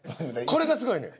これがすごいのよ。